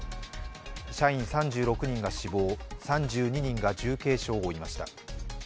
社員３６人が死亡３２人が重軽傷を負いました。